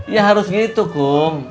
ya harus gitu kung